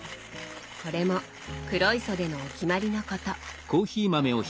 これも黒磯でのお決まりのこと。